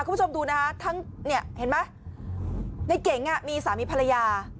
คุณผู้ชมดูนะคะทั้งเนี่ยเห็นไหมในเก๋งมีสามีภรรยา